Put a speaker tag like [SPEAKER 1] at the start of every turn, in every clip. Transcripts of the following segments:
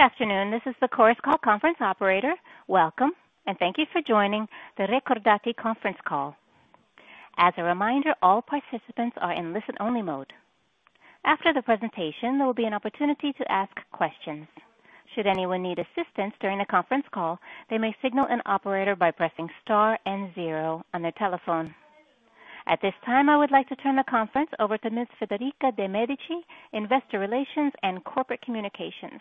[SPEAKER 1] Good afternoon. This is the Chorus Call conference operator. Welcome, and thank you for joining the Recordati conference call. As a reminder, all participants are in listen-only mode. After the presentation, there will be an opportunity to ask questions. Should anyone need assistance during the conference call, they may signal an operator by pressing star and zero on their telephone. At this time, I would like to turn the conference over to Ms. Federica De Medici, investor relations and corporate communications.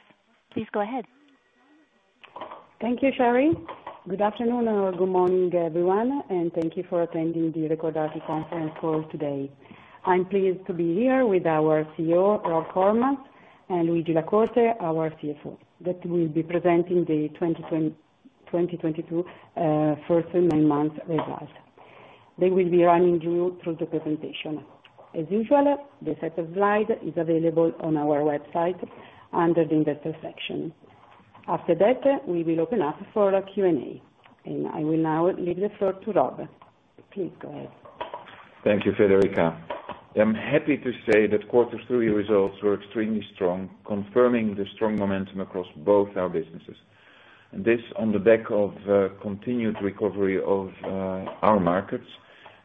[SPEAKER 1] Please go ahead.
[SPEAKER 2] Thank you, Sherry. Good afternoon or good morning, everyone, and thank you for attending the Recordati conference call today. I'm pleased to be here with our CEO, Rob Koremans, and Luigi La Corte, our CFO, who will be presenting the 2022 first and nine months results. They will be running you through the presentation. As usual, the set of slides is available on our website under the Investor section. After that, we will open up for a Q&A. I will now leave the floor to Rob. Please go ahead.
[SPEAKER 3] Thank you, Federica. I'm happy to say that quarter three results were extremely strong, confirming the strong momentum across both our businesses. This, on the back of continued recovery of our markets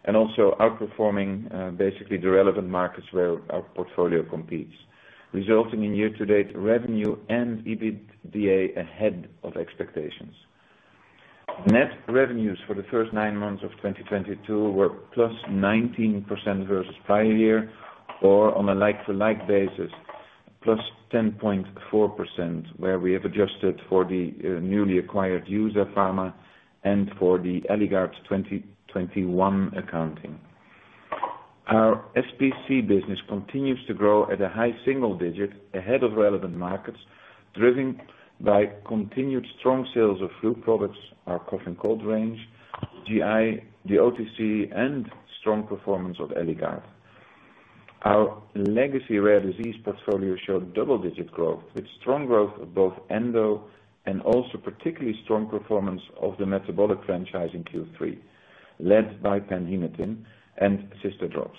[SPEAKER 3] and also outperforming basically the relevant markets where our portfolio competes, resulting in year-to-date revenue and EBITDA ahead of expectations. Net revenues for the first nine months of 2022 were +19% versus prior year or on a like-for-like basis, +10.4%, where we have adjusted for the newly acquired EUSA Pharma and for the ELIGARD 2021 accounting. Our SPC business continues to grow at a high single digit ahead of relevant markets, driven by continued strong sales of flu products, our cough and cold range, GI, the OTC, and strong performance of ELIGARD. Our legacy rare disease portfolio showed double-digit growth, with strong growth of both endo and also particularly strong performance of the metabolic franchise in Q3, led by PANHEMATIN and CYSTADROPS.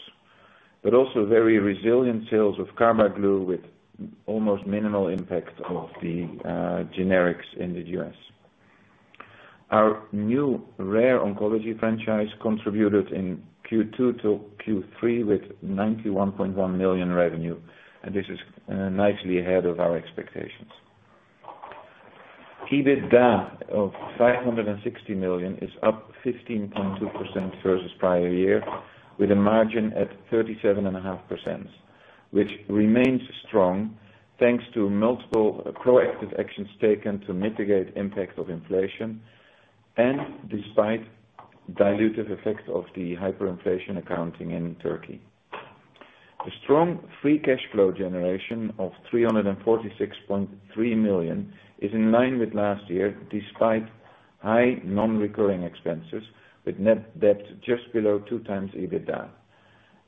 [SPEAKER 3] Also very resilient sales of CARBAGLU with almost minimal impact of the generics in the US. Our new rare oncology franchise contributed in Q2 to Q3 with 91.1 million revenue, and this is nicely ahead of our expectations. EBITDA of 560 million is up 15.2% versus prior year, with a margin at 37.5%, which remains strong thanks to multiple proactive actions taken to mitigate impact of inflation and despite dilutive effects of the hyperinflation accounting in Turkey. The strong free cash flow generation of 346.3 million is in line with last year, despite high non-recurring expenses with net debt just below 2x EBITDA,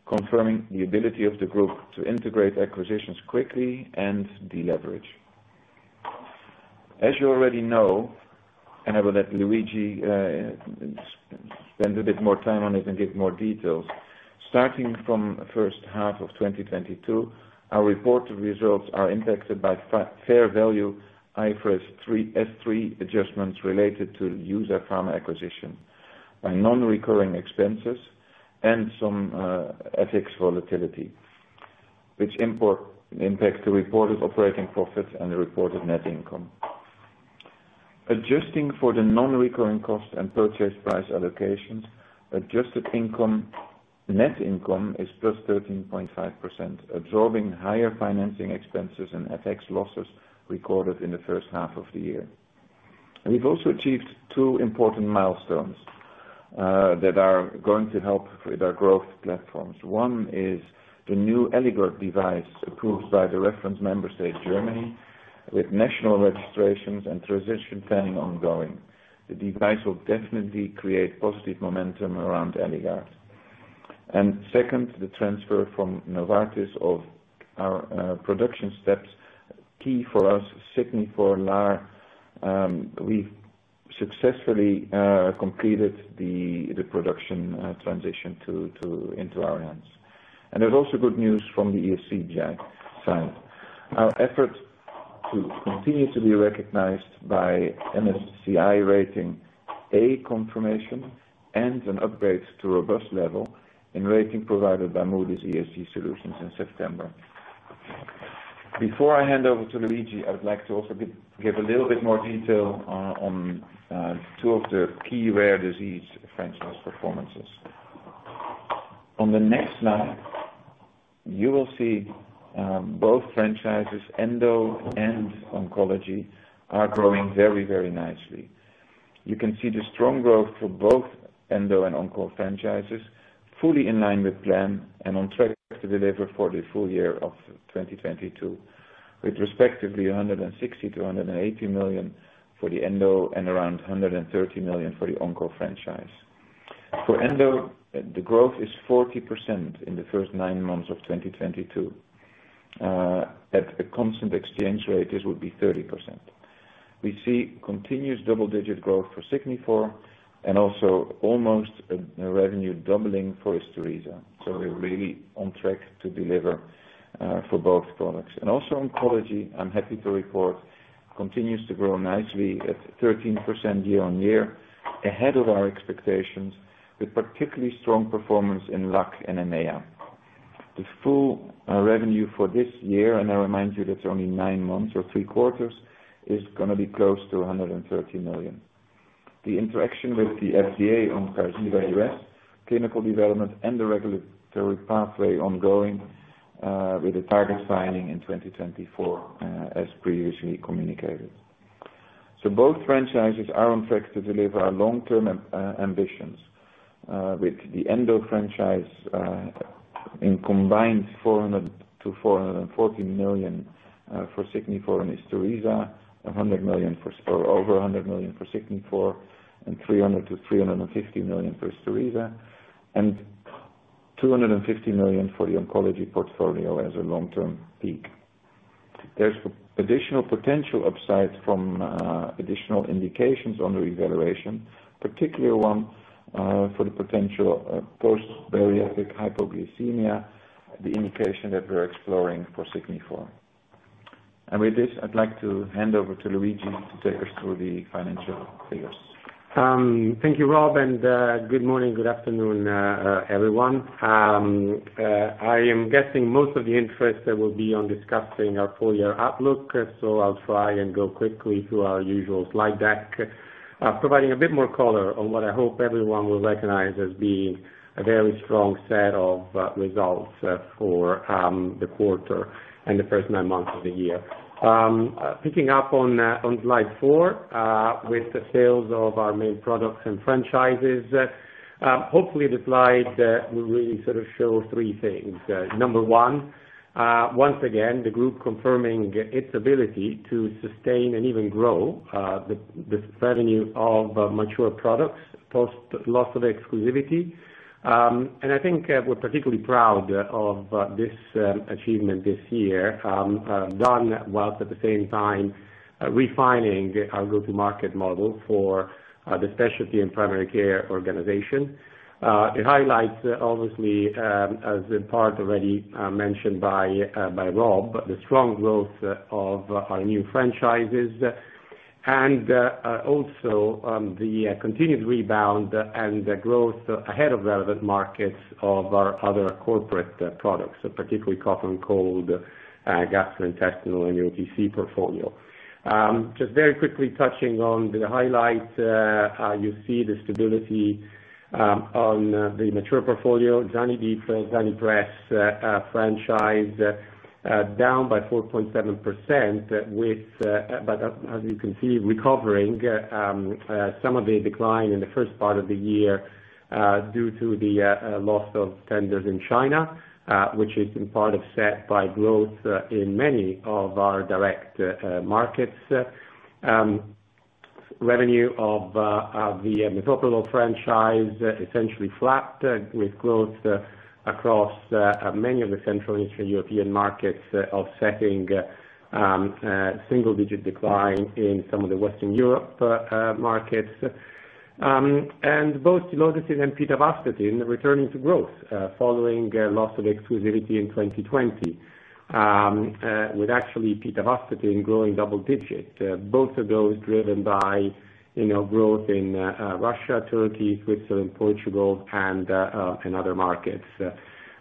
[SPEAKER 3] confirming the ability of the group to integrate acquisitions quickly and deleverage. As you already know, I will let Luigi spend a bit more time on it and give more details. Starting from first half of 2022, our reported results are impacted by fair value IFRS 3 adjustments related to EUSA Pharma acquisition by non-recurring expenses and some FX volatility, which impacts the reported operating profits and the reported net income. Adjusting for the non-recurring costs and purchase price allocations, adjusted net income is plus 13.5%, absorbing higher financing expenses and FX losses recorded in the first half of the year. We've also achieved two important milestones that are going to help with our growth platforms. One is the new ELIGARD device approved by the reference member state, Germany, with national registrations and transition planning ongoing. The device will definitely create positive momentum around ELIGARD. Second, the transfer from Novartis of our production steps, key for us, SIGNIFOR LAR. We've successfully completed the production transition into our hands. There's also good news from the ESG side. Our effort to continue to be recognized by MSCI rating, A confirmation, and an upgrade to robust level in rating provided by Moody's ESG Solutions in September. Before I hand over to Luigi, I would like to also give a little bit more detail on two of the key rare disease franchise performances. On the next slide, you will see both franchises, endo and oncology, are growing very, very nicely. You can see the strong growth for both endo and onco franchises, fully in line with plan and on track to deliver for the full year of 2022, with respectively 160 million-180 million for the endo and around 130 million for the onco franchise. For endo, the growth is 40% in the first nine months of 2022. At a constant exchange rate, this would be 30%. We see continuous double-digit growth for SIGNIFOR and also almost a revenue doubling for ISTURISA. We're really on track to deliver for both products. Also oncology, I'm happy to report, continues to grow nicely at 13% year-on-year, ahead of our expectations, with particularly strong performance in LAC and EMEA. The full revenue for this year, and I remind you that's only nine months or three quarters, is gonna be close to 113 million. The interaction with the FDA on QARZIBA U.S. clinical development and the regulatory pathway ongoing, with a target signing in 2024, as previously communicated. Both franchises are on track to deliver our long-term ambitions, with the endo franchise in combined 400 million-414 million for SIGNIFOR and ISTURISA, over 100 million for SIGNIFOR and 300 million-350 million for ISTURISA, and 250 million for the oncology portfolio as a long-term peak. There's additional potential upside from additional indications under evaluation, particularly one for the potential post-bariatric hypoglycemia, the indication that we're exploring for SIGNIFOR. With this, I'd like to hand over to Luigi to take us through the financial figures.
[SPEAKER 4] Thank you, Rob, and good morning, good afternoon, everyone. I am guessing most of the interest will be on discussing our full year outlook, so I'll try and go quickly through our usual slide deck, providing a bit more color on what I hope everyone will recognize as being a very strong set of results for the quarter and the first nine months of the year. Picking up on slide four with the sales of our main products and franchises. Hopefully the slide will really sort of show three things. Number one, once again, the group confirming its ability to sustain and even grow the revenue of mature products post loss of exclusivity. I think we're particularly proud of this achievement this year, done whilst at the same time refining our go-to-market model for the specialty and primary care organization. It highlights obviously, as in part already mentioned by Rob, the strong growth of our new franchises and also the continued rebound and growth ahead of relevant markets of our other corporate products, particularly cough and cold, gastrointestinal and OTC portfolio. Just very quickly touching on the highlights. You see the stability on the mature portfolio, ZANIDIP, ZANIPRESS franchise down by 4.7% but as you can see recovering some of the decline in the first part of the year due to the loss of tenders in China which is in part offset by growth in many of our direct markets. Revenue of the Metoprolol franchise essentially flat with growth across many of the Central and Eastern European markets, offsetting single-digit decline in some of the Western Europe markets. Both silodosin and pitavastatin returning to growth following a loss of exclusivity in 2020 with actually pitavastatin growing double digits. Both of those driven by you know growth in Russia, Turkey, Switzerland, Portugal and other markets.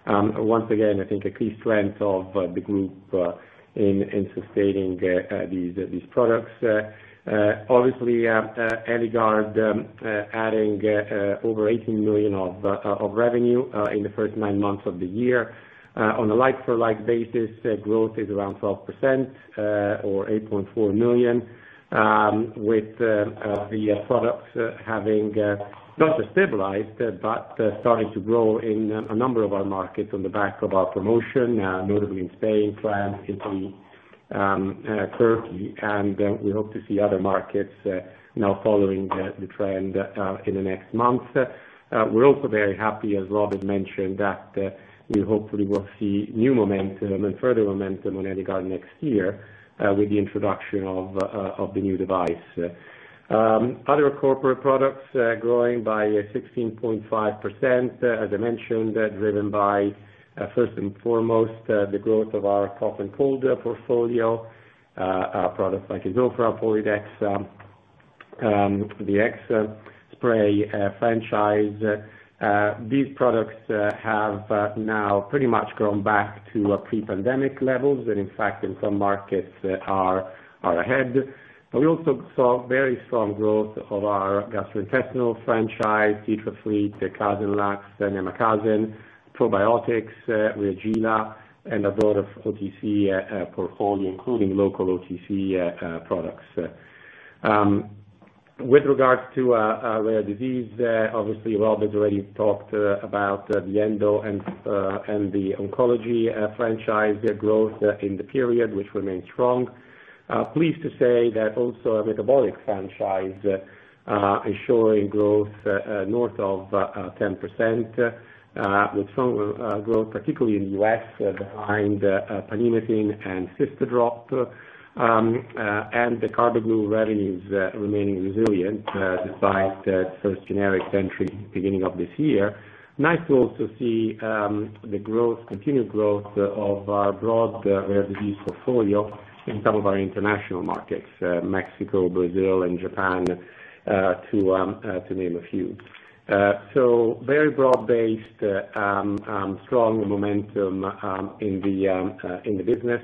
[SPEAKER 4] Once again, I think a key strength of the group in sustaining these products. Obviously, ELIGARD adding over 18 million of revenue in the first nine months of the year. On a like-for-like basis, growth is around 12% or 8.4 million with the products having not just stabilized, but starting to grow in a number of our markets on the back of our promotion, notably in Spain, France, Italy, Turkey. We hope to see other markets now following the trend in the next months. We're also very happy, as Rob had mentioned, that we hopefully will see new momentum and further momentum on ELIGARD next year, with the introduction of the new device. Other corporate products growing by 16.5%, as I mentioned, driven by first and foremost the growth of our cough and cold portfolio, products like ISOFRA, POLYDEXA, the HEXASPRAY spray franchise. These products have now pretty much gone back to pre-pandemic levels. In fact, in some markets are ahead. We also saw very strong growth of our gastrointestinal franchise, CITRAFLEET, CASENLAX, ENEMA CASEN, probiotics, REAGILA, and a lot of OTC portfolio, including local OTC products. With regards to our rare disease, obviously Rob already talked about the endo and the oncology franchise, their growth in the period, which remains strong. Pleased to say that also our metabolic franchise is showing growth north of 10%, with strong growth, particularly in the U.S., behind PANHEMATIN and CYSTADROPS. And the CARBAGLU revenues remaining resilient despite first generic entry beginning of this year. Nice to also see the growth, continued growth of our broad rare disease portfolio in some of our international markets, Mexico, Brazil and Japan, to name a few. Very broad-based strong momentum in the business,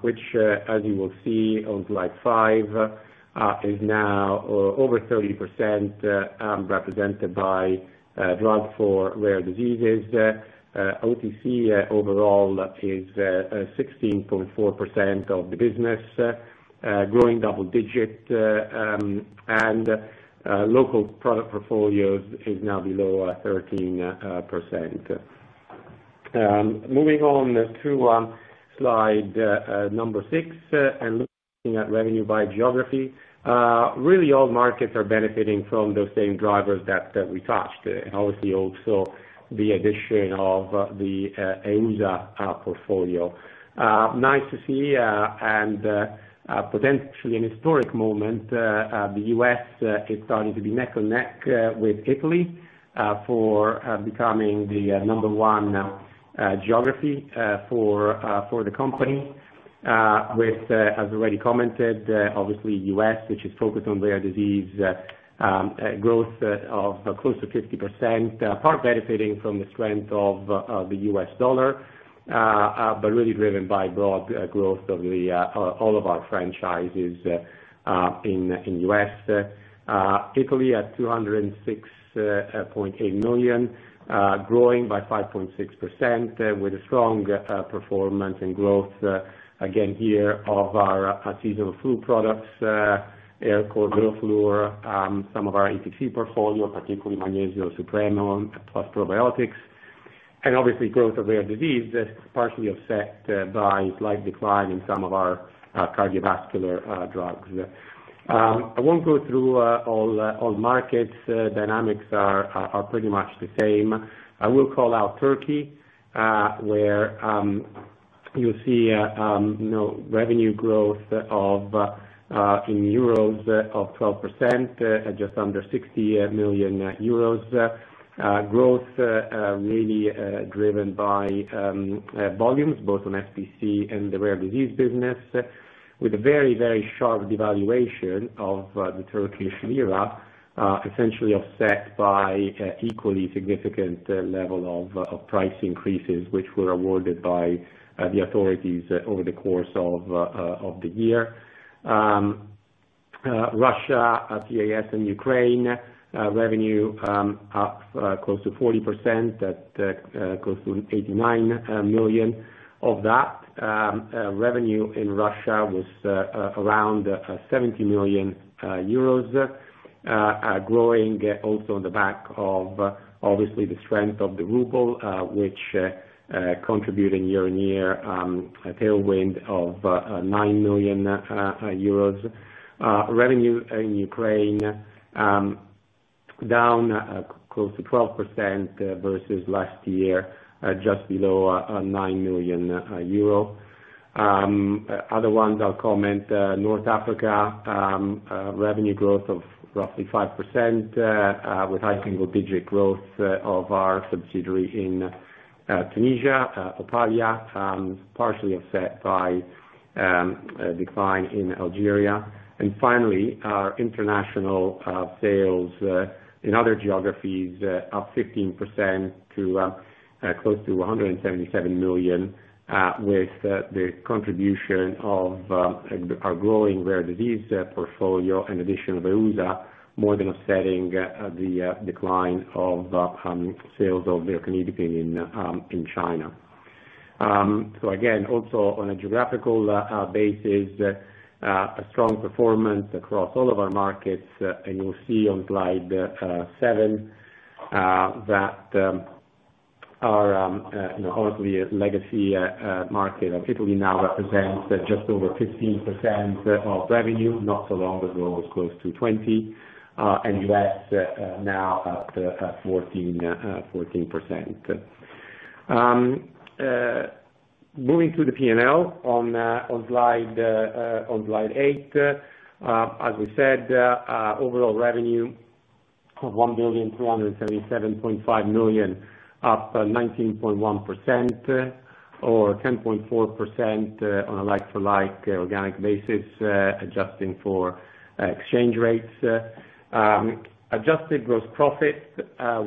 [SPEAKER 4] which as you will see on slide five is now over 30% represented by drugs for rare diseases. OTC overall is 16.4% of the business, growing double digits, and local product portfolios is now below 13%. Moving on to slide number six and looking at revenue by geography. Really all markets are benefiting from those same drivers that we touched. Obviously also the addition of the EUSA portfolio. Nice to see and potentially an historic moment. The U.S. is starting to be neck and neck with Italy for becoming the number one geography for the company, with, as already commented, obviously U.S., which is focused on rare disease growth of close to 50%, part benefiting from the strength of the U.S. dollar. Really driven by broad growth of all of our franchises in U.S. Italy at 206.8 million, growing by 5.6% with strong performance and growth again here of our seasonal flu products, AIRCORT, REUFLOR, some of our OTC portfolio, particularly Magnesio Supremo, plus probiotics, and obviously growth of rare disease, that's partially offset by slight decline in some of our cardiovascular drugs. I won't go through all markets. Dynamics are pretty much the same. I will call out Turkey, where you'll see, you know, revenue growth of 12% in euros at just under EUR 60 million. Growth really driven by volumes both on SPC and the rare disease business with a very sharp devaluation of the Turkish lira essentially offset by equally significant level of price increases, which were awarded by the authorities over the course of the year. Russia, CIS and Ukraine, revenue up close to 40% at close to 89 million. Of that, revenue in Russia was around 70 million euros, growing also on the back of obviously the strength of the ruble, which contributing year-on-year a tailwind of 9 million euros. Revenue in Ukraine down close to 12% versus last year, just below 9 million euro. Other ones I'll comment on, North Africa revenue growth of roughly 5%, with high single-digit growth of our subsidiary in Tunisia, Italia, partially offset by a decline in Algeria. Finally, our international sales in other geographies up 15% to close to 177 million, with the contribution of our growing rare disease portfolio. In addition, EUSA more than offsetting the decline of sales of lercanidipine in China. Again, also on a geographical basis, a strong performance across all of our markets. You'll see on slide seven that, you know, obviously our legacy market of Italy now represents just over 15% of revenue, not so long ago it was close to 20%, and U.S. now at 14%. Moving to the P&L on slide eight. As we said, overall revenue of 1,277.5 million, up 19.1% or 10.4% on a like-for-like organic basis, adjusting for exchange rates. Adjusted gross profit,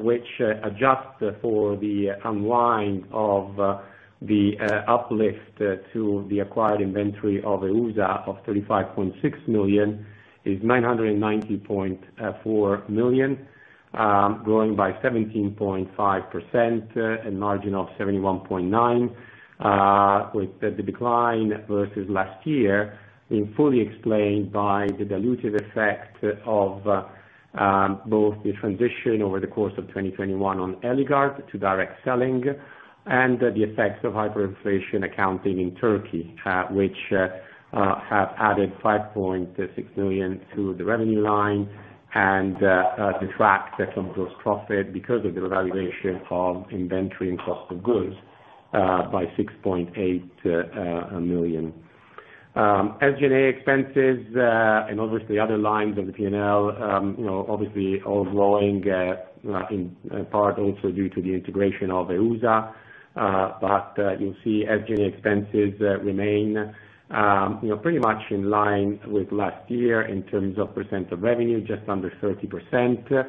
[SPEAKER 4] which adjusts for the unwind of the uplift to the acquired inventory of EUSA of 35.6 million is 990.4 million, growing by 17.5%, and margin of 71.9%. With the decline versus last year being fully explained by the dilutive effect of both the transition over the course of 2021 on ELIGARD to direct selling and the effects of hyperinflation accounting in Turkey, which have added 5.6 million to the revenue line and detracts some gross profit because of the revaluation of inventory and cost of goods by 6.8 million. SG&A expenses, and obviously other lines of the P&L, you know, obviously all growing, in part also due to the integration of EUSA. You'll see SG&A expenses remain, you know, pretty much in line with last year in terms of percent of revenue, just under 30%.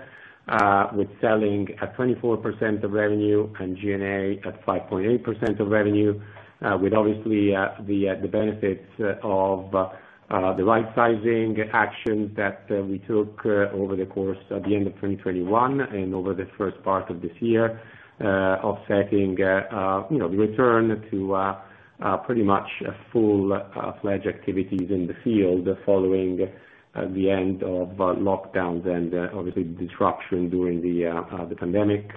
[SPEAKER 4] With selling at 24% of revenue and G&A at 5.8% of revenue. With obviously, the benefits of the rightsizing actions that we took over the course at the end of 2021, and over the first part of this year. Offsetting, you know, the return to pretty much full-fledged activities in the field following the end of lockdowns and obviously the disruption during the pandemic.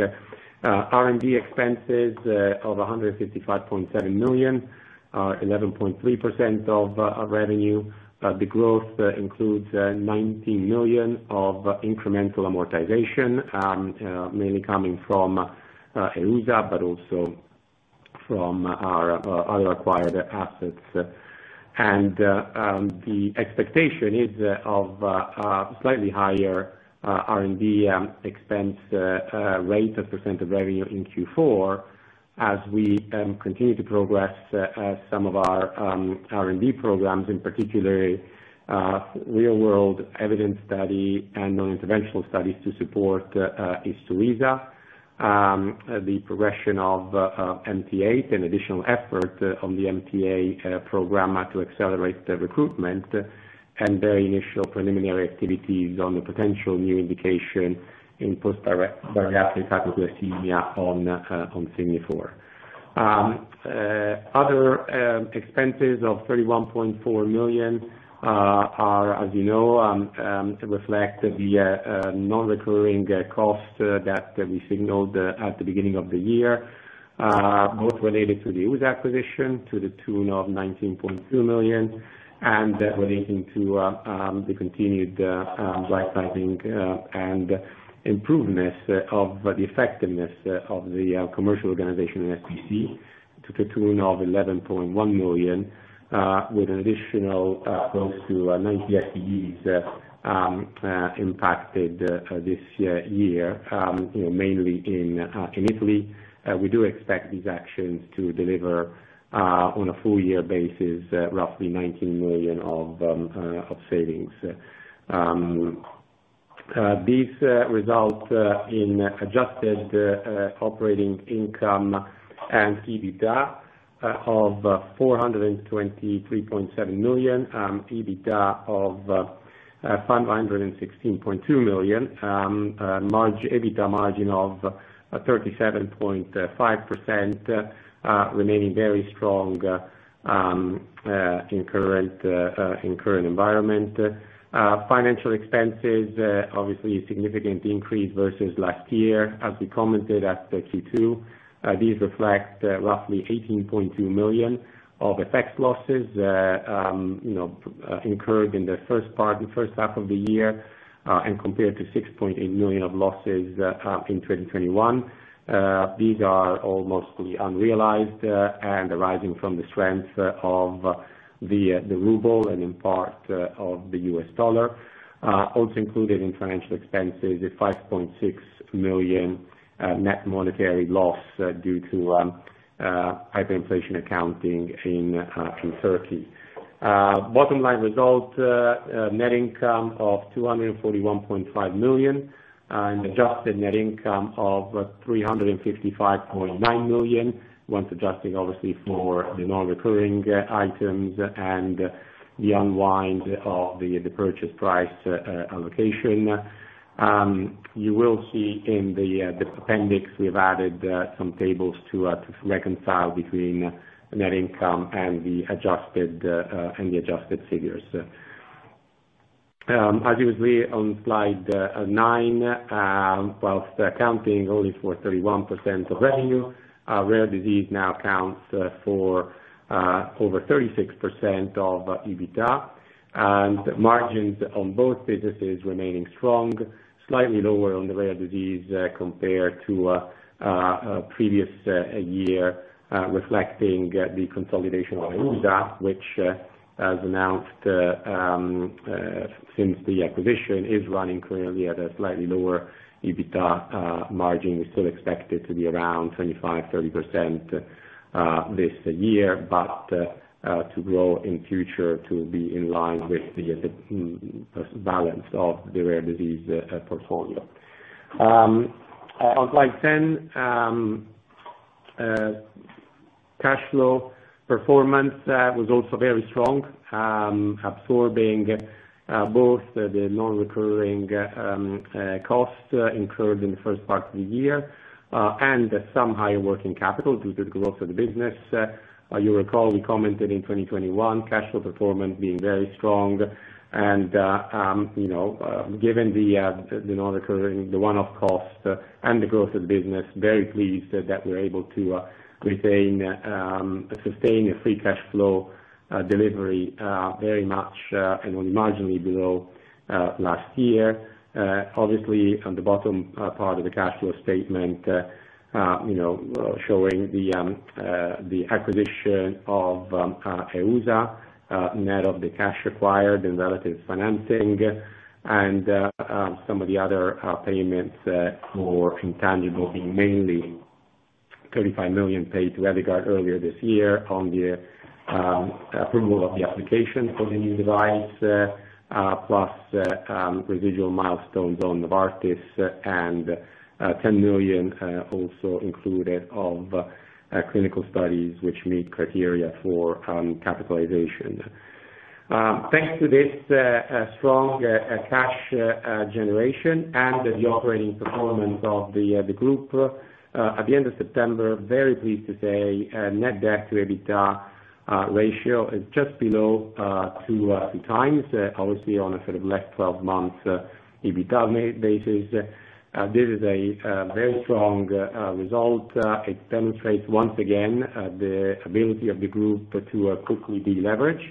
[SPEAKER 4] R&D expenses of 155.7 million, 11.3% of revenue. The growth includes 19 million of incremental amortization, mainly coming from EUSA, but also from our other acquired assets. The expectation is of slightly higher R&D expense rate as a percent of revenue in Q4 as we continue to progress some of our R&D programs, in particular, real-world evidence study and non-interventional studies to support ISTURISA. The progression of MT8, an additional effort on the MT8 program to accelerate the recruitment and the initial preliminary activities on the potential new indication in post-bariatric hypoglycemia on SIGNIFOR. Other expenses of 31.4 million are, as you know, to reflect the non-recurring costs that we signaled at the beginning of the year, both related to the EUSA acquisition, to the tune of 19.2 million, and relating to the continued rightsizing and improvements of the effectiveness of the commercial organization in SPC to the tune of 11.1 million, with an additional close to 90 FTEs impacted this year. You know, mainly in Italy. We do expect these actions to deliver on a full year basis roughly 19 million of savings. These results in adjusted operating income and EBITDA of 423.7 million, EBITDA of 516.2 million, EBITDA margin of 37.5%, remaining very strong in current environment. Financial expenses obviously a significant increase versus last year. As we commented at the Q2, these reflect roughly 18.2 million of FX losses, you know, incurred in the first half of the year, and compared to 6.8 million of losses in 2021. These are all mostly unrealized and arising from the strength of the ruble and in part of the U.S. dollar. Also included in financial expenses, a 5.6 million net monetary loss due to hyperinflation accounting in Turkey. Bottom line results, net income of 241.5 million and adjusted net income of 355.9 million, once adjusting obviously for the non-recurring items and the unwind of the purchase price allocation. You will see in the appendix, we've added some tables to reconcile between net income and the adjusted figures. As usual on slide nine, while accounting only for 31% of revenue, rare disease now accounts for over 36% of EBITDA and margins on both businesses remaining strong, slightly lower on the rare disease compared to previous year, reflecting the consolidation of EUSA, which, as announced, since the acquisition is running currently at a slightly lower EBITDA margin. We still expect it to be around 25-30% this year, but to grow in future to be in line with the balance of the rare disease portfolio. On slide 10, cash flow performance was also very strong, absorbing both the non-recurring costs incurred in the first part of the year, and some higher working capital due to the growth of the business. You'll recall we commented in 2021, cash flow performance being very strong and, you know, given the non-recurring, the one-off costs and the growth of the business, very pleased that we're able to sustain a free cash flow delivery very much and only marginally below last year. Obviously on the bottom part of the cash flow statement, you know, showing the acquisition of EUSA, net of the cash required and relative financing and some of the other payments for intangibles being mainly 35 million paid to ELIGARD earlier this year on the approval of the application for the new device, plus residual milestones on Novartis and 10 million also included for clinical studies which meet criteria for capitalization. Thanks to this strong cash generation and the operating performance of the group at the end of September, very pleased to say, net debt to EBITDA ratio is just below 2x, obviously on a sort of last 12 months EBITDA LTM basis. This is a very strong result. It demonstrates once again the ability of the group to quickly deleverage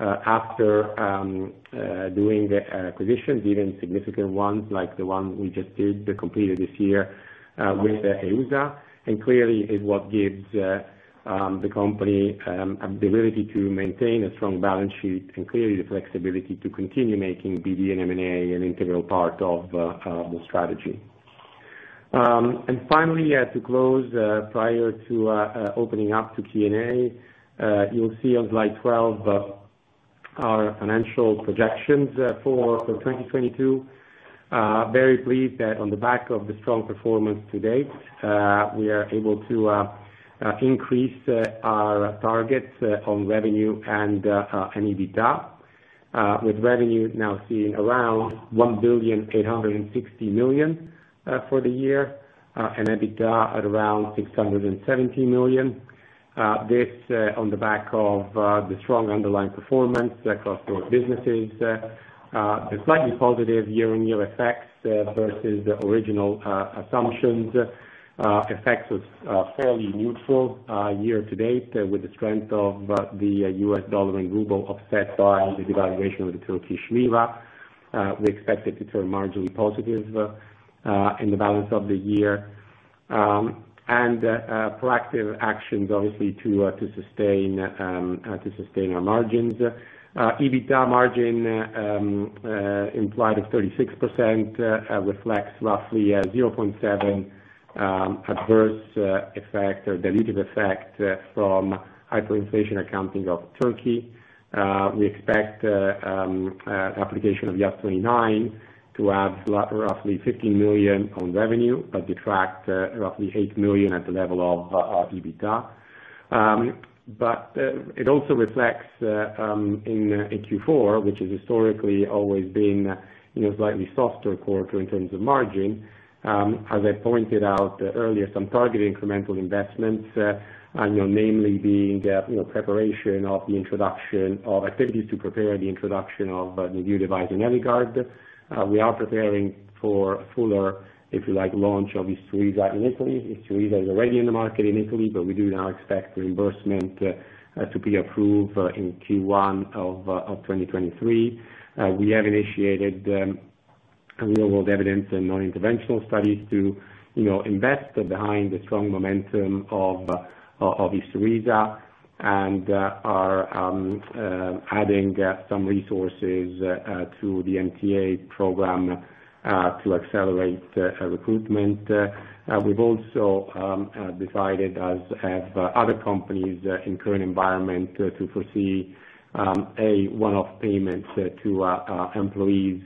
[SPEAKER 4] after doing the acquisitions, even significant ones like the one we just did, completed this year, with EUSA. Clearly is what gives the company ability to maintain a strong balance sheet and clearly the flexibility to continue making BD and M&A an integral part of the strategy. Finally, to close, prior to opening up to Q&A, you'll see on slide 12, our financial projections for 2022. Very pleased that on the back of the strong performance to date, we are able to increase our targets on revenue and EBITDA, with revenue now seeing around 1,860 million for the year, and EBITDA at around 670 million. This on the back of the strong underlying performance across core businesses. The slightly positive year-on-year effects versus original assumptions effects was fairly neutral year to date with the strength of the U.S. dollar and ruble offset by the devaluation of the Turkish lira. We expect it to turn marginally positive in the balance of the year, and proactive actions obviously to sustain our margins. EBITDA margin implied is 36%, reflects roughly 0.7 adverse effect or dilutive effect from hyperinflation accounting of Turkey. We expect application of IAS 29 to add roughly 15 million to revenue, but detract roughly 8 million at the level of EBITDA. It also reflects in Q4, which has historically always been, you know, slightly softer quarter in terms of margin. As I pointed out earlier, some targeted incremental investments, namely preparation activities to prepare the introduction of the new device in ELIGARD. We are preparing for fuller, if you like, launch of ISTURISA in Italy. ISTURISA is already in the market in Italy, but we do now expect reimbursement to be approved in Q1 of 2023. We have initiated real world evidence and non-interventional studies to, you know, invest behind the strong momentum of ISTURISA, and are adding some resources to the MT8 program to accelerate recruitment. We've also decided as other companies in current environment to foresee a one-off payment to employees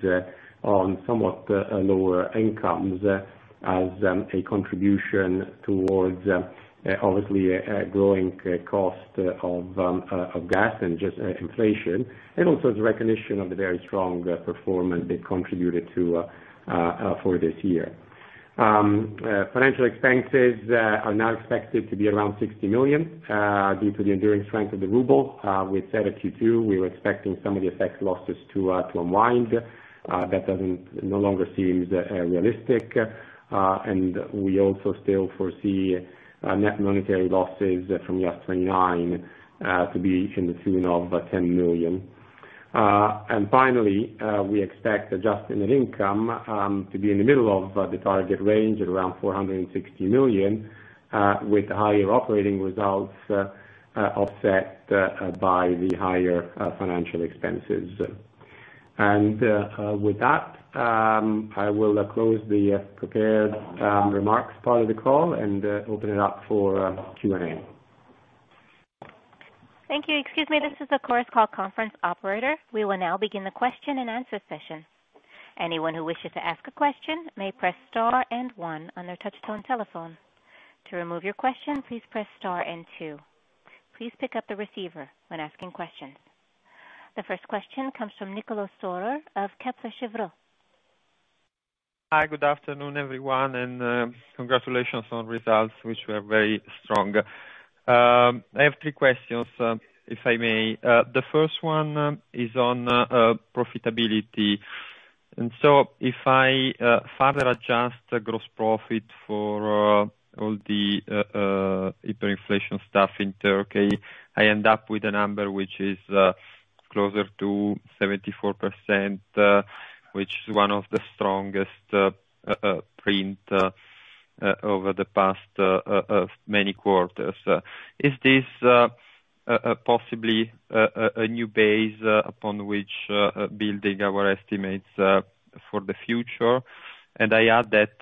[SPEAKER 4] on somewhat lower incomes as a contribution towards obviously a growing cost of gas and just inflation, and also as a recognition of the very strong performance they contributed to for this year. Financial expenses are now expected to be around 60 million due to the enduring strength of the ruble. We said at Q2, we were expecting some of the FX losses to unwind. That no longer seems realistic. We also still foresee net monetary losses from IAS 29 to be in the region of 10 million. Finally, we expect adjusted net income to be in the middle of the target range at around 460 million, with higher operating results offset by the higher financial expenses. With that, I will close the prepared remarks part of the call and open it up for Q&A.
[SPEAKER 1] Thank you. Excuse me, this is the Chorus Call conference operator. We will now begin the Q&A session. Anyone who wishes to ask a question may press star and one on their touchtone telephone. To remove your question, please press star and two. Please pick up the receiver when asking questions. The first question comes from Niccolò Storer of Kepler Cheuvreux.
[SPEAKER 5] Hi, good afternoon, everyone, and congratulations on results, which were very strong. I have three questions, if I may. The first one is on profitability. If I further adjust the gross profit for all the hyperinflation stuff in Turkey, I end up with a number which is closer to 74%, which is one of the strongest print over the past many quarters. Is this possibly a new base upon which building our estimates? For the future. I add that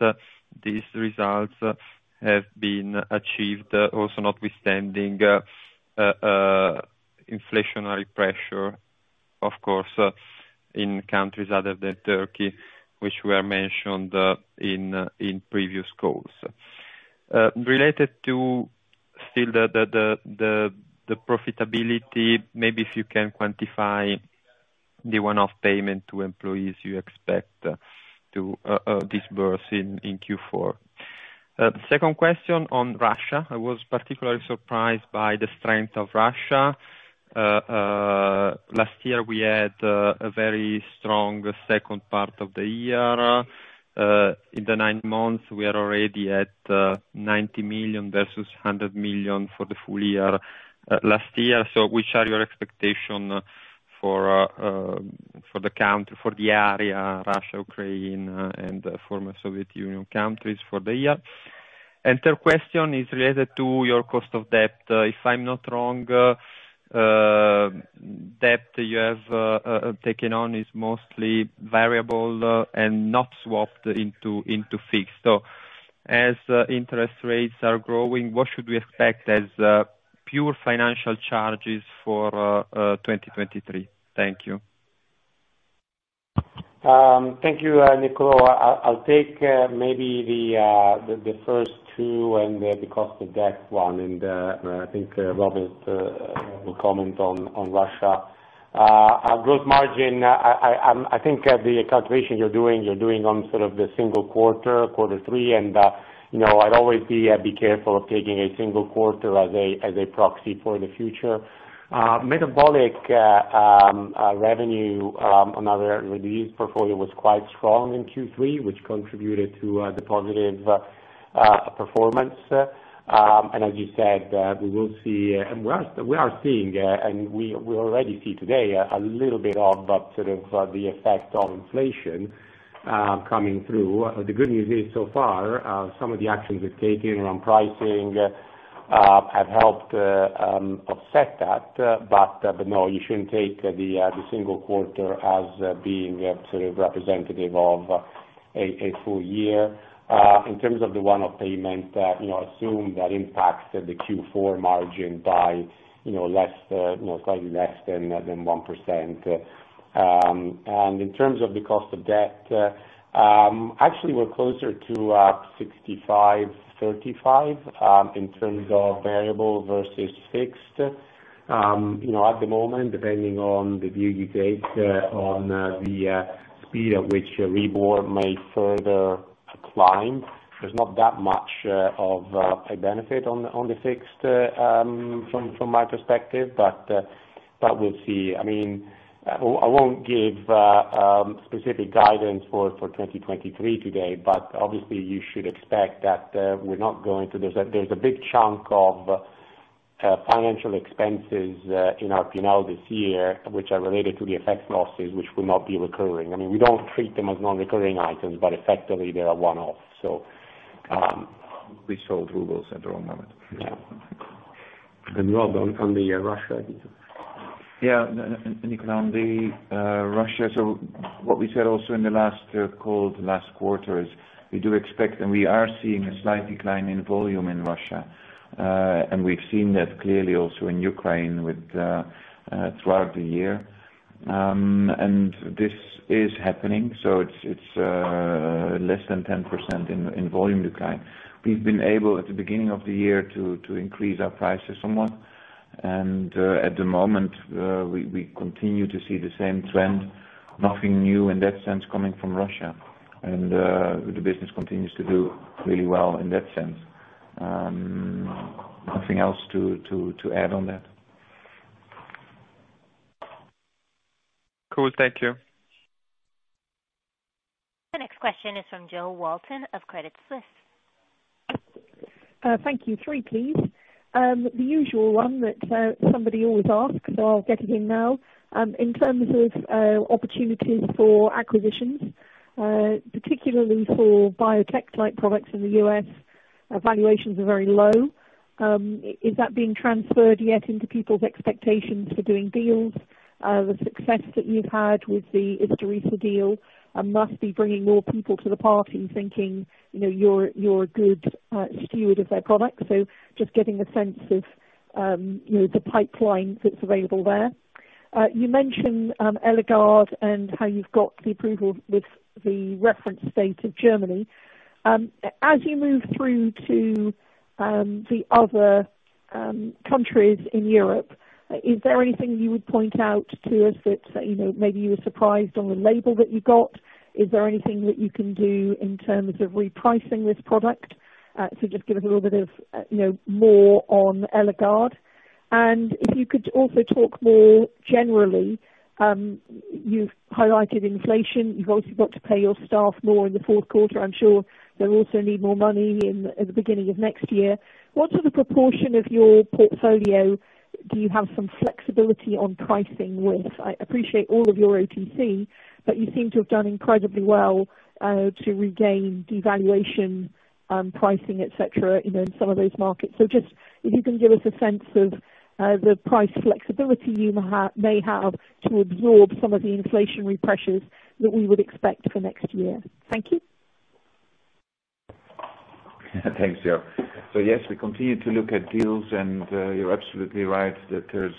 [SPEAKER 5] these results have been achieved also notwithstanding inflationary pressure, of course, in countries other than Turkey, which were mentioned in previous calls. Related to still the profitability, maybe if you can quantify the one-off payment to employees you expect to disburse in Q4. Second question on Russia. I was particularly surprised by the strength of Russia. Last year we had a very strong second part of the year. In the nine months we are already at 90 million versus 100 million for the full year last year. Which are your expectation for the area, Russia, Ukraine, and the former Soviet Union countries for the year? Third question is related to your cost of debt. If I'm not wrong, the debt you have taken on is mostly variable and not swapped into fixed. As interest rates are growing, what should we expect as pure financial charges for 2023? Thank you.
[SPEAKER 4] Thank you, Niccolò. I'll take maybe the first two and the cost of debt one. I think Rob will comment on Russia. Our gross margin, I think the calculation you're doing on sort of the single quarter, Q3. You know, I'd always be careful of taking a single quarter as a proxy for the future. Mature revenue on our rest of portfolio was quite strong in Q3, which contributed to the positive performance. As you said, we will see, and we are seeing, and we already see today a little bit of that sort of the effect of inflation coming through. The good news is so far, some of the actions we've taken around pricing have helped offset that. No, you shouldn't take the single quarter as being sort of representative of a full year. In terms of the one-off payment, you know, assume that impacts the Q4 margin by, you know, less, you know, quite less than 1%. In terms of the cost of debt, actually we're closer to 65-35 in terms of variable versus fixed. You know, at the moment depending on the view you take on the speed at which Euribor may further climb, there's not that much of a benefit on the fixed from my perspective. We'll see. I mean, I won't give specific guidance for 2023 today, but obviously you should expect that we're not going to. There's a big chunk of financial expenses in our P&L this year, which are related to the FX losses, which will not be recurring. I mean, we don't treat them as non-recurring items, but effectively they are one-off. We sold rubles at the wrong moment. Yeah. Rob, on the Russia piece.
[SPEAKER 3] Yeah. Nicolo, on the Russia. What we said also in the last call, last quarter, is we do expect, and we are seeing a slight decline in volume in Russia. We've seen that clearly also in Ukraine with throughout the year. This is happening, it's less than 10% in volume decline. We've been able, at the beginning of the year to increase our prices somewhat, and at the moment, we continue to see the same trend. Nothing new in that sense coming from Russia. The business continues to do really well in that sense. Nothing else to add on that.
[SPEAKER 5] Cool. Thank you.
[SPEAKER 1] The next question is from Jo Walton of Credit Suisse.
[SPEAKER 6] Thank you. Three, please. The usual one that somebody always asks, I'll get it in now. In terms of opportunities for acquisitions, particularly for biotech-like products in the U.S., valuations are very low. Is that being transferred yet into people's expectations for doing deals? The success that you've had with the ISTURISA deal must be bringing more people to the party thinking, you know, you're a good steward of their products. Just getting a sense of, you know, the pipeline that's available there. You mentioned ELIGARD and how you've got the approval with the reference state of Germany. As you move through to the other countries in Europe, is there anything you would point out to us that, you know, maybe you were surprised on the label that you got? Is there anything that you can do in terms of repricing this product? So just give us a little bit of, you know, more on ELIGARD. If you could also talk more generally, you've highlighted inflation, you've obviously got to pay your staff more in the fourth quarter. I'm sure they'll also need more money in, at the beginning of next year. What sort of proportion of your portfolio do you have some flexibility on pricing with? I appreciate all of your OTC, but you seem to have done incredibly well, to regain devaluation, pricing, et cetera, you know, in some of those markets. Just if you can give us a sense of, the price flexibility you may have to absorb some of the inflationary pressures that we would expect for next year. Thank you.
[SPEAKER 3] Thanks, Jo. Yes, we continue to look at deals, and you're absolutely right that there's.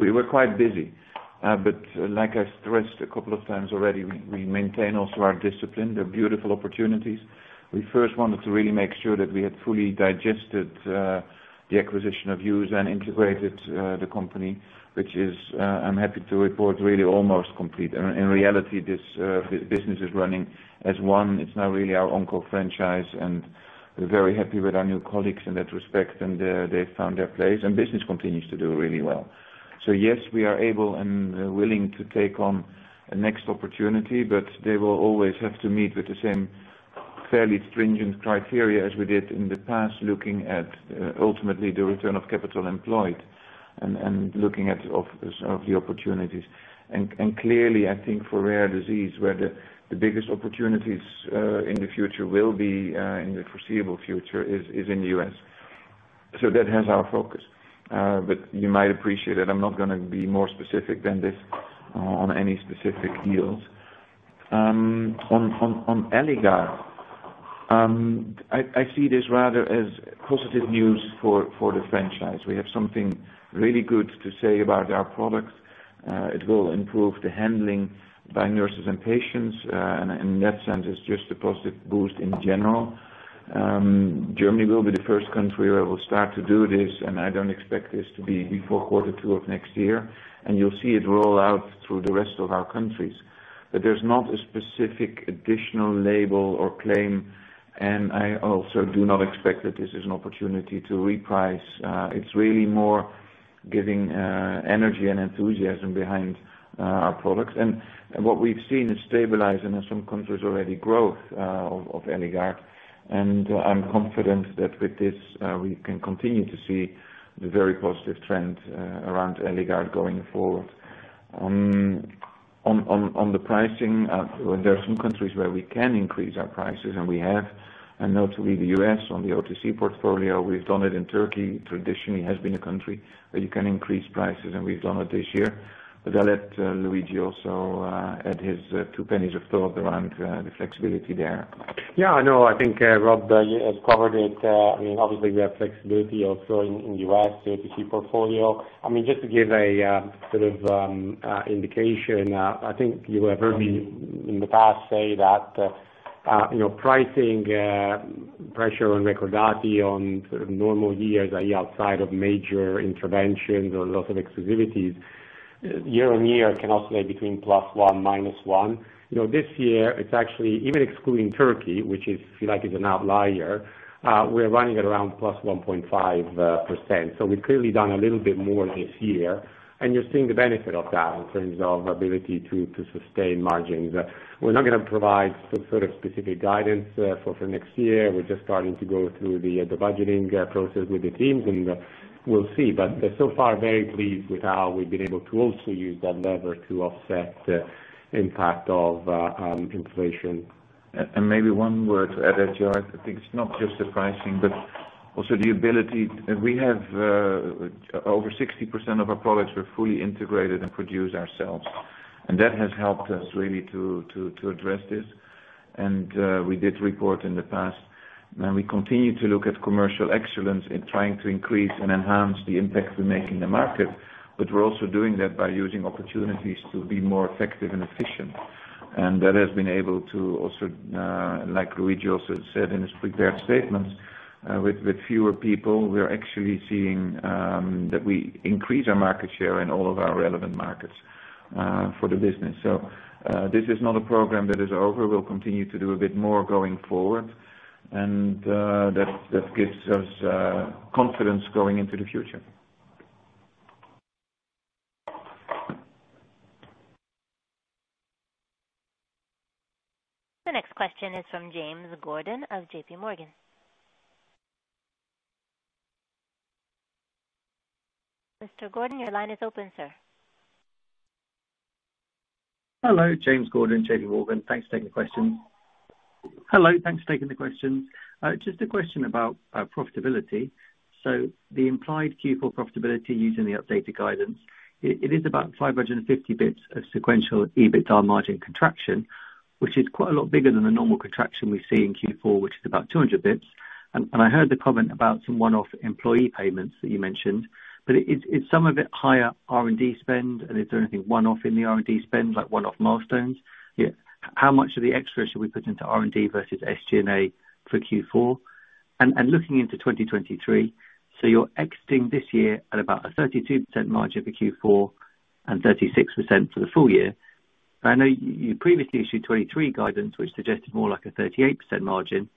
[SPEAKER 3] We were quite busy. Like I stressed a couple of times already, we maintain also our discipline. They're beautiful opportunities. We first wanted to really make sure that we had fully digested the acquisition of EUSA and integrated the company, which is, I'm happy to report, really almost complete. In reality, this business is running as one. It's now really our onco franchise, and we're very happy with our new colleagues in that respect. They found their place, and business continues to do really well. Yes, we are able and willing to take on the next opportunity, but they will always have to meet with the same fairly stringent criteria as we did in the past, looking at ultimately the return of capital employed and looking at the opportunities. Clearly, I think for rare disease, where the biggest opportunities in the future will be, in the foreseeable future is in the U.S. That has our focus. But you might appreciate that I'm not gonna be more specific than this on any specific deals. On ELIGARD, I see this rather as positive news for the franchise. We have something really good to say about our products. It will improve the handling by nurses and patients. And in that sense, it's just a positive boost in general. Germany will be the first country where we'll start to do this, and I don't expect this to be before quarter two of next year, and you'll see it roll out through the rest of our countries. There's not a specific additional label or claim, and I also do not expect that this is an opportunity to reprice. It's really more giving energy and enthusiasm behind our products. What we've seen is stabilizing in some countries already growth of ELIGARD. I'm confident that with this, we can continue to see the very positive trend around ELIGARD going forward. On the pricing, there are some countries where we can increase our prices, and we have, and notably the U.S. on the OTC portfolio. We've done it in Turkey. Traditionally, it has been a country where you can increase prices, and we've done it this year. I'll let Luigi also add his two cents worth of thought around the flexibility there.
[SPEAKER 4] Yeah, no, I think Rob has covered it. I mean, obviously we have flexibility also in the U.S. OTC portfolio. I mean, just to give a sort of indication, I think you have heard me in the past say that, you know, pricing pressure on Recordati on sort of normal years, i.e., outside of major interventions or loss of exclusivities, year-over-year can oscillate between +1% and -1%. You know, this year it's actually, even excluding Turkey, which, I feel like, is an outlier, we're running at around +1.5%. We've clearly done a little bit more this year, and you're seeing the benefit of that in terms of our ability to sustain margins. We're not gonna provide some sort of specific guidance for next year. We're just starting to go through the budgeting process with the teams, and we'll see. So far, very pleased with how we've been able to also use that lever to offset the impact of inflation.
[SPEAKER 3] Maybe one word to add there, Jo. I think it's not just the pricing, but also the ability we have over 60% of our products we're fully integrated and produced ourselves, and that has helped us really to address this. We did report in the past, and we continue to look at commercial excellence in trying to increase and enhance the impact we make in the market. We're also doing that by using opportunities to be more effective and efficient. That has been able to also, like Luigi also said in his prepared statements, with fewer people, we are actually seeing that we increase our market share in all of our relevant markets for the business. This is not a program that is over. We'll continue to do a bit more going forward. That gives us confidence going into the future.
[SPEAKER 1] The next question is from James Gordon of JPMorgan. Mr. Gordon, your line is open, sir.
[SPEAKER 7] Hello. James Gordon, JPMorgan. Thanks for taking the question. Just a question about profitability. The implied Q4 profitability using the updated guidance is about 550 basis points of sequential EBITDA margin contraction, which is quite a lot bigger than the normal contraction we see in Q4, which is about 200 basis points. I heard the comment about some one-off employee payments that you mentioned, but is some of it higher R&D spend, and is there anything one-off in the R&D spend, like one-off milestones? Yeah. How much of the extra should we put into R&D versus SG&A for Q4? Looking into 2023, you're exiting this year at about a 32% margin for Q4 and 36% for the full year. I know you previously issued 2023 guidance, which suggested more like a 38% margin.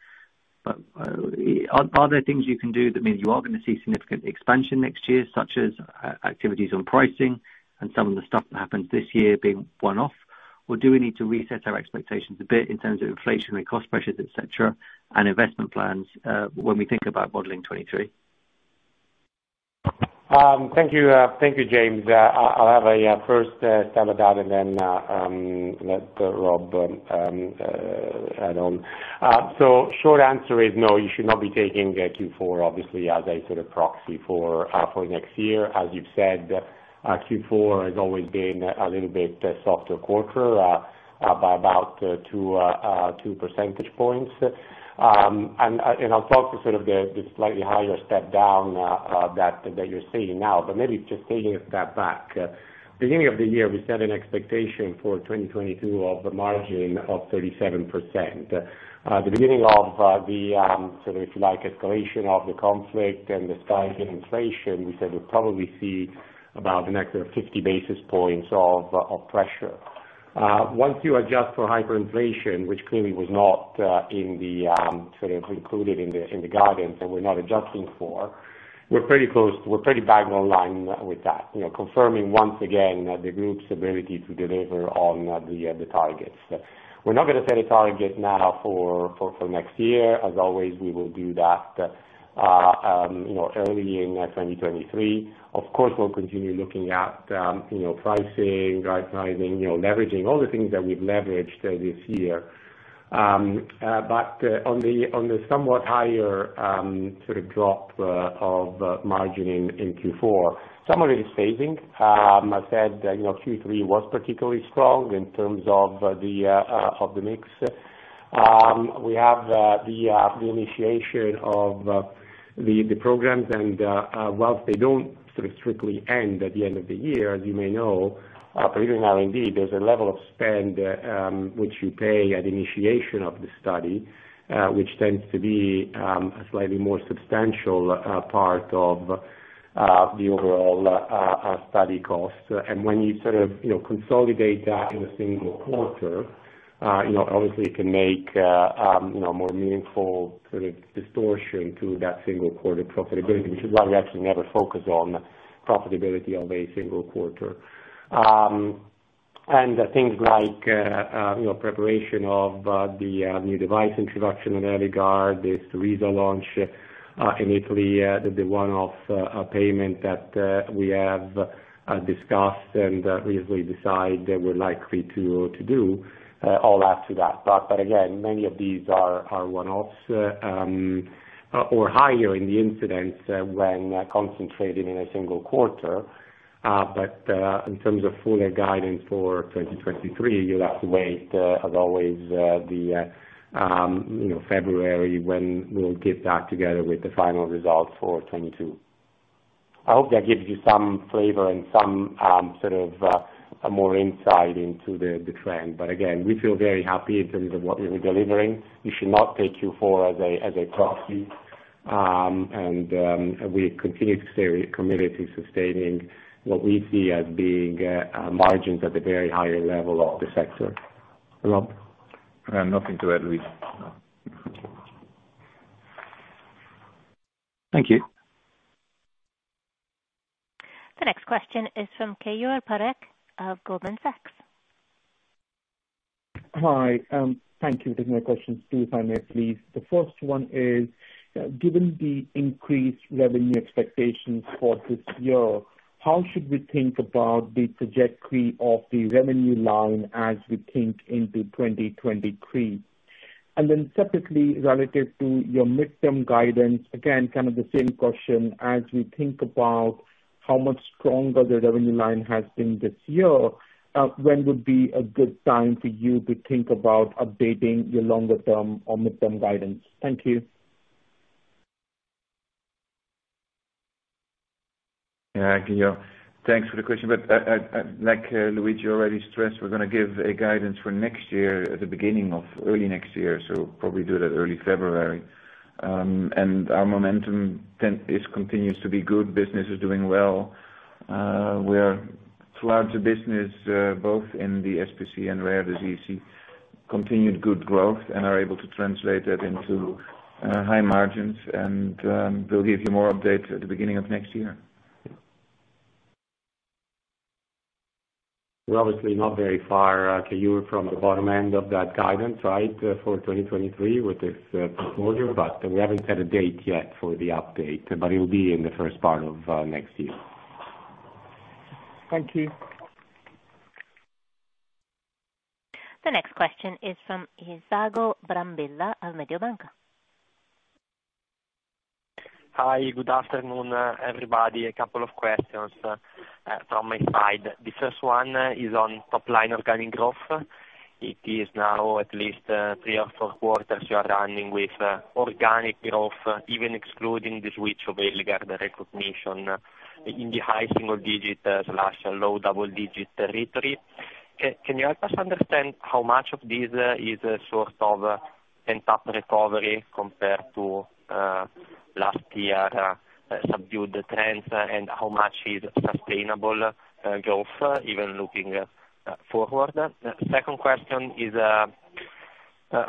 [SPEAKER 7] Are there things you can do that means you are gonna see significant expansion next year, such as activities on pricing and some of the stuff that happened this year being one-off, or do we need to reset our expectations a bit in terms of inflationary cost pressures, et cetera, and investment plans, when we think about modeling 2023?
[SPEAKER 4] Thank you. Thank you, James. I'll have a first stab at that and then let Rob add on. Short answer is no, you should not be taking Q4 obviously as a sort of proxy for next year. As you've said, Q4 has always been a little bit softer quarter by about two percentage points. I'll talk to sort of the slightly higher step down that you're seeing now, but maybe just taking a step back. Beginning of the year, we set an expectation for 2022 of a margin of 37%. The beginning of the sort of if you like escalation of the conflict and the spike in inflation, we said we'd probably see about an extra 50 basis points of pressure. Once you adjust for hyperinflation, which clearly was not in the sort of included in the guidance and we're not adjusting for, we're pretty close. We're pretty bang on line with that. You know, confirming once again that the group's ability to deliver on the targets. We're not gonna set a target now for next year. As always, we will do that, you know, early in 2023. Of course, we'll continue looking at, you know, pricing, right-sizing, you know, leveraging all the things that we've leveraged this year. On the somewhat higher sort of drop of margin in Q4, some of it is phasing. I said, you know, Q3 was particularly strong in terms of the mix. We have the initiation of the programs and whilst they don't sort of strictly end at the end of the year, as you may know, particularly in R&D, there's a level of spend which you pay at initiation of the study, which tends to be a slightly more substantial part of the overall study cost. When you sort of, you know, consolidate that in a single quarter, you know, obviously it can make, you know, more meaningful sort of distortion to that single quarter profitability, which is why we actually never focus on profitability of a single quarter. Things like, you know, preparation of the new device introduction in ELIGARD, ISTURISA launch in Italy, the one-off payment that we have discussed and previously decided we're likely to do, all add to that. But again, many of these are one-offs, or higher in the incidence when concentrated in a single quarter. In terms of fuller guidance for 2023, you'll have to wait, as always, you know, February, when we'll give that together with the final results for 2022. I hope that gives you some flavor and some sort of more insight into the trend. Again, we feel very happy in terms of what we're delivering. You should not take Q4 as a proxy, and we continue to stay committed to sustaining what we see as being margins at the very higher level of the sector. Rob?
[SPEAKER 3] I have nothing to add, Luigi.
[SPEAKER 7] Thank you.
[SPEAKER 1] The next question is from Keyur Parekh of Goldman Sachs.
[SPEAKER 8] Hi, thank you. I have two questions for finance please. The first one is, given the increased revenue expectations for this year, how should we think about the trajectory of the revenue line as we think into 2023? Then separately, relative to your midterm guidance, again, kind of the same question, as we think about how much stronger the revenue line has been this year, when would be a good time for you to think about updating your longer term or midterm guidance? Thank you.
[SPEAKER 3] Yeah. Thank you. Thanks for the question. Like Luigi already stressed, we're gonna give a guidance for next year at the beginning of early next year, so probably do that early February. Our momentum continues to be good. Business is doing well. We are, throughout the business, both in the SPC and Rare Diseases, continued good growth and are able to translate that into high margins and we'll give you more updates at the beginning of next year.
[SPEAKER 4] We're obviously not very far, Kayur, from the bottom end of that guidance, right, for 2023 with this proposal, but we haven't set a date yet for the update, but it'll be in the first part of next year.
[SPEAKER 8] Thank you.
[SPEAKER 1] The next question is from Isacco Brambilla, Mediobanca.
[SPEAKER 9] Hi. Good afternoon, everybody. A couple of questions from my side. The first one is on top line organic growth. It is now at least three or four quarters you are running with organic growth, even excluding the switch of ELIGARD recognition in the high single-digit/low double-digit territory. Can you help us understand how much of this is a sort of pent-up recovery compared to last year subdued trends, and how much is sustainable growth, even looking forward? Second question is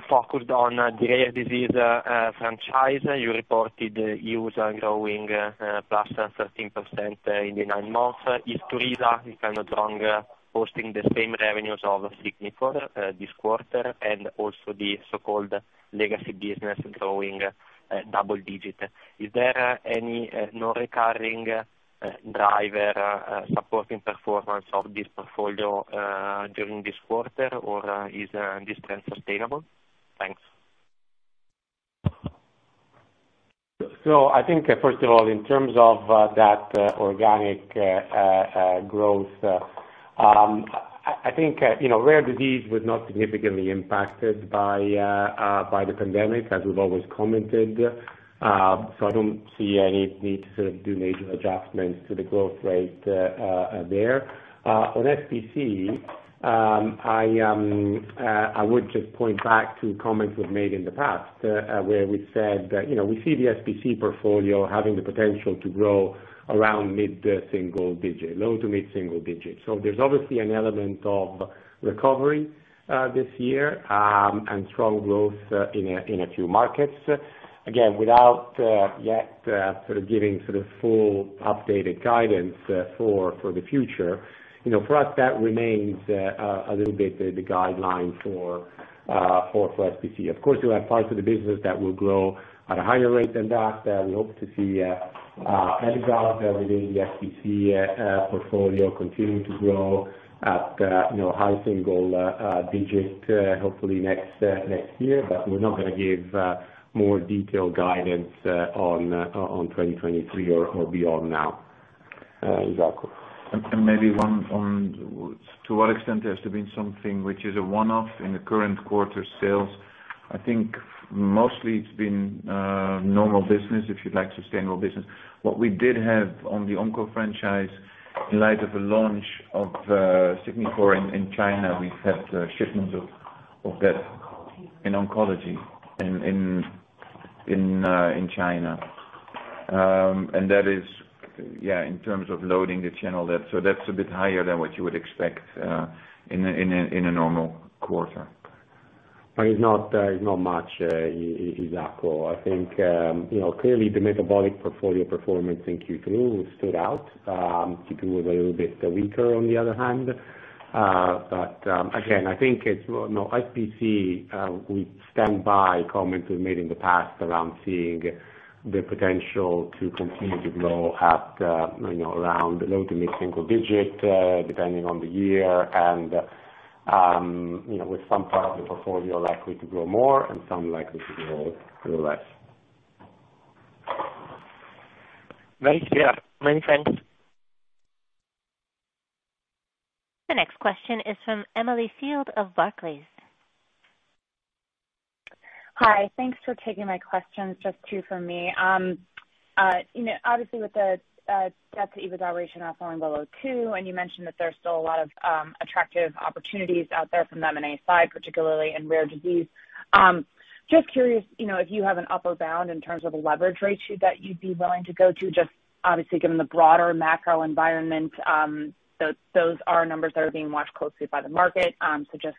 [SPEAKER 9] focused on the rare disease franchise. You reported revenues growing +13% in the nine months. If ISTURISA is kind of strong, posting the same revenues of SIGNIFOR this quarter and also the so-called legacy business growing double-digit. Is there any non-recurring driver supporting performance of this portfolio during this quarter or is this trend sustainable? Thanks.
[SPEAKER 4] I think, first of all, in terms of that organic growth, you know, rare disease was not significantly impacted by the pandemic, as we've always commented. I don't see any need to do major adjustments to the growth rate there. On SPC, I would just point back to comments we've made in the past, where we said that, you know, we see the SPC portfolio having the potential to grow around mid-single-digit, low- to mid-single-digit. There's obviously an element of recovery this year and strong growth in a few markets. Again, without yet sort of giving sort of full updated guidance for the future. You know, for us that remains a little bit the guideline for SPC. Of course, you have parts of the business that will grow at a higher rate than that we hope to see within the SPC portfolio continue to grow at, you know, high single digit, hopefully next year. We're not gonna give more detailed guidance on 2023 or beyond now. Jacob.
[SPEAKER 3] Maybe one on to what extent there has to be something which is a one-off in the current quarter sales. I think mostly it's been normal business, if you'd like, sustainable business. What we did have on the onco franchise, in light of the launch of SIGNIFOR in China, we've had shipments of that in oncology in China. And that is, yeah, in terms of loading the channel, that's a bit higher than what you would expect in a normal quarter.
[SPEAKER 4] It's not much. I think you know, clearly the metabolic portfolio performance in Q2 stood out. Q2 was a little bit weaker on the other hand. Again, I think it's you know, IPC, we stand by comments we've made in the past around seeing the potential to continue to grow at you know, around low- to mid-single-digit%, depending on the year and you know, with some part of the portfolio likely to grow more and some likely to grow less.
[SPEAKER 9] Very clear. Many thanks.
[SPEAKER 1] The next question is from Emily Field of Barclays.
[SPEAKER 10] Hi. Thanks for taking my questions, just two from me. You know, obviously with the debt-to-EBITDA ratio now falling below two, and you mentioned that there's still a lot of attractive opportunities out there from the M&A side, particularly in rare disease. Just curious, you know, if you have an upper bound in terms of a leverage ratio that you'd be willing to go to, just obviously given the broader macro environment, those are numbers that are being watched closely by the market. So just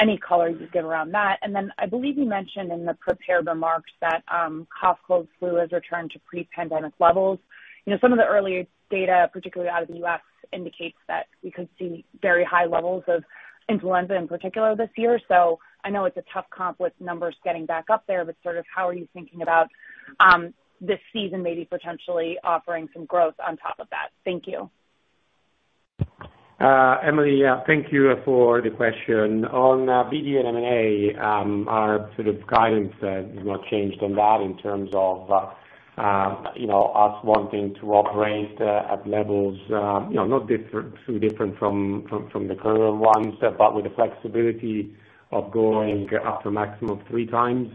[SPEAKER 10] any color you'd give around that. I believe you mentioned in the prepared remarks that cough, cold, flu has returned to pre-pandemic levels. You know, some of the earlier data, particularly out of the U.S., indicates that we could see very high levels of influenza in particular this year. I know it's a tough comp with numbers getting back up there, but sort of how are you thinking about this season maybe potentially offering some growth on top of that? Thank you.
[SPEAKER 4] Emily, thank you for the question. On BD and M&A, our sort of guidance is not changed on that in terms of you know us wanting to operate at levels you know not different from the current ones, but with the flexibility of going up to a maximum of 3 times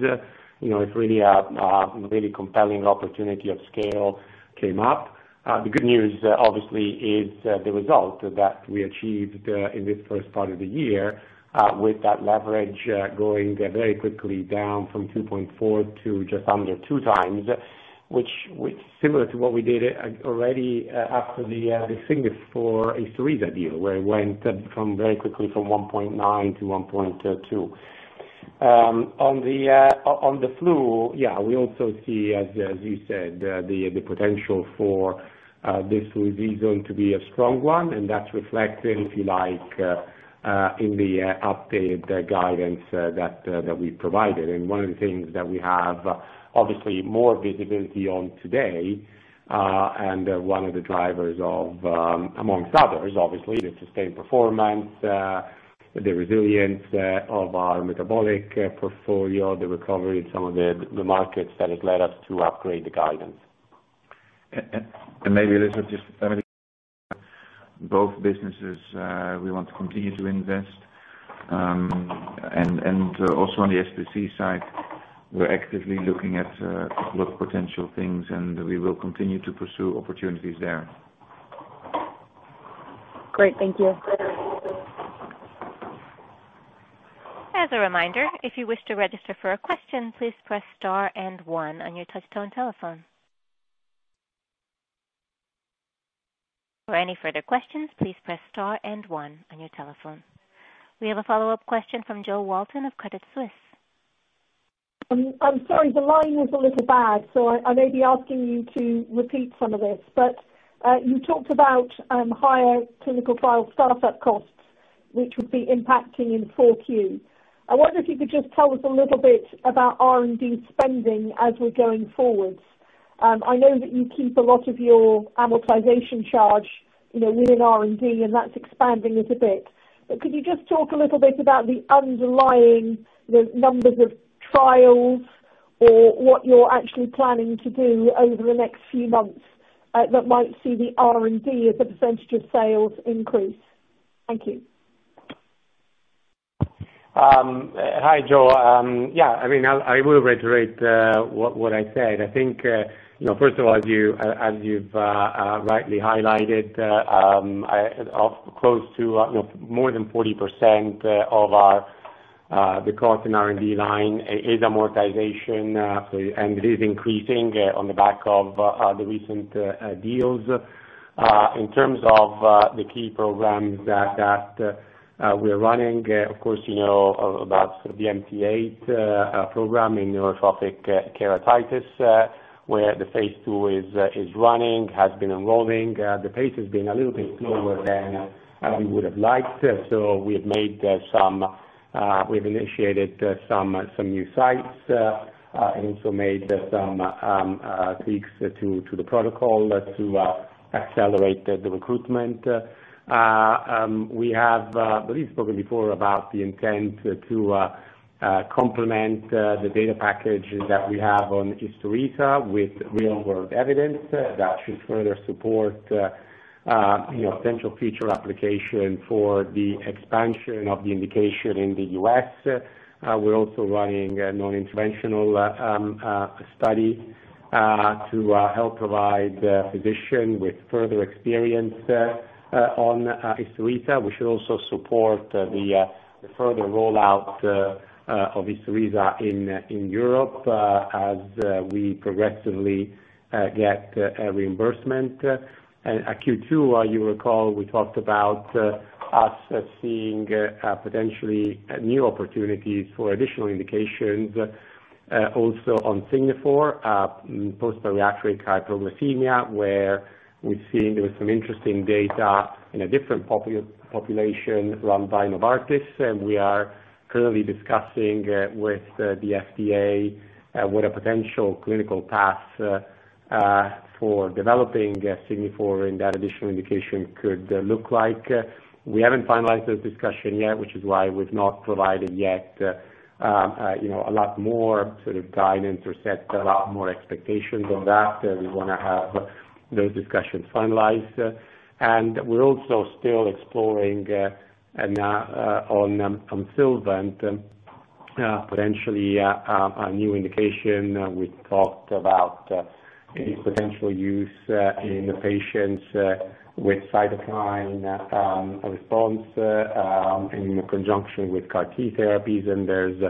[SPEAKER 4] you know if really a really compelling opportunity of scale came up. The good news obviously is the result that we achieved in this first part of the year with that leverage going very quickly down from 2.4 to just under 2 times, which similar to what we did already after the SIGNIFOR and ISTURISA deal, where it went very quickly from 1.9-1.2. On the flu, yeah, we also see as you said the potential for this season to be a strong one, and that's reflected, if you like, in the updated guidance that we provided. One of the things that we have obviously more visibility on today, and one of the drivers of, amongst others, obviously the sustained performance, the resilience of our metabolic portfolio, the recovery in some of the markets that has led us to upgrade the guidance.
[SPEAKER 3] Maybe this is just both businesses. We want to continue to invest. Also on the SPC side, we're actively looking at potential things, and we will continue to pursue opportunities there.
[SPEAKER 10] Great. Thank you.
[SPEAKER 1] As a reminder, if you wish to register for a question, please press star and one on your touchtone telephone. For any further questions, please press star and one on your telephone. We have a follow-up question from Jo Walton of Credit Suisse.
[SPEAKER 6] I'm sorry. The line is a little bad, so I may be asking you to repeat some of this. You talked about higher clinical trial startup costs, which would be impacting in Q4. I wonder if you could just tell us a little bit about R&D spending as we're going forward. I know that you keep a lot of your amortization charge, you know, within R&D, and that's expanding it a bit. Could you just talk a little bit about the underlying, the numbers of trials or what you're actually planning to do over the next few months, that might see the R&D as a percentage of sales increase? Thank you.
[SPEAKER 4] Hi, Jo. Yeah, I mean, I will reiterate what I said. I think, you know, first of all, you as you've rightly highlighted, of close to, you know, more than 40% of our the cost in R&D line is amortization, so. It is increasing on the back of the recent deals. In terms of the key programs that we're running, of course, you know, about the MT8 program in neurotrophic keratitis, where the phase II is running, has been enrolling. The pace has been a little bit slower than we would have liked. We've initiated some new sites and also made some tweaks to the protocol to accelerate the recruitment. We have spoken before about the intent to complement the data package that we have on ISTURISA with real world evidence that should further support, you know, potential future application for the expansion of the indication in the U.S. We're also running a non-interventional study to help provide a physician with further experience on ISTURISA. We should also support the further rollout of ISTURISA in Europe as we progressively get reimbursement. At Q2 you'll recall we talked about us seeing potentially new opportunities for additional indications also on SIGNIFOR post-bariatric hypoglycemia where we've seen there was some interesting data in a different population run by Novartis. We are currently discussing with the FDA what a potential clinical path for developing SIGNIFOR in that additional indication could look like. We haven't finalized this discussion yet, which is why we've not provided yet you know a lot more sort of guidance or set a lot more expectations on that. We wanna have those discussions finalized. We're also still exploring on SYLVANT potentially a new indication. We've talked about its potential use in patients with cytokine response in conjunction with CAR T therapies. There's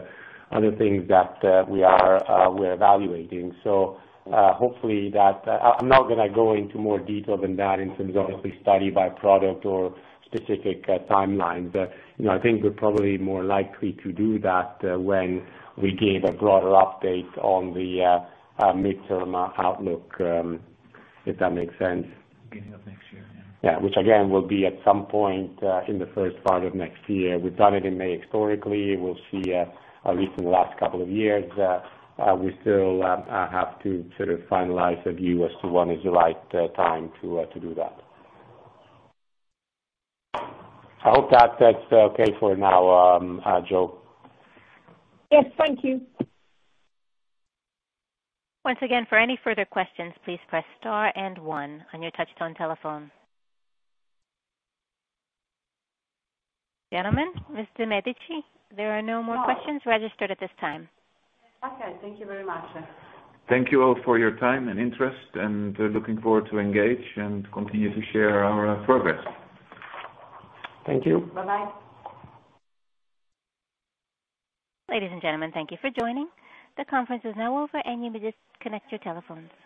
[SPEAKER 4] other things that we're evaluating. Hopefully that. I'm not gonna go into more detail than that in terms of obviously study by product or specific timelines. You know, I think we're probably more likely to do that when we give a broader update on the midterm outlook, if that makes sense.
[SPEAKER 3] Beginning of next year, yeah.
[SPEAKER 4] Yeah. Which again, will be at some point in the first part of next year. We've done it in May historically. We'll see, at least in the last couple of years, we still have to sort of finalize a view as to when is the right time to do that. I hope that that's okay for now, Jo.
[SPEAKER 6] Yes, thank you.
[SPEAKER 1] Once again, for any further questions, please press star and one on your touchtone telephone. Gentlemen, Ms. De Medici, there are no more questions registered at this time.
[SPEAKER 2] Okay. Thank you very much.
[SPEAKER 3] Thank you all for your time and interest, and looking forward to engage and continue to share our progress.
[SPEAKER 4] Thank you.
[SPEAKER 2] Bye-bye.
[SPEAKER 1] Ladies and gentlemen, thank you for joining. The conference is now over, and you may disconnect your telephones.